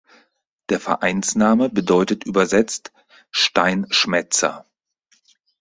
Der Vereinsname bedeutet übersetzt „Steinschmätzer“.